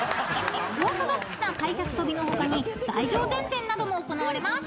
［オーソドックスな開脚跳びの他に台上前転なども行われます］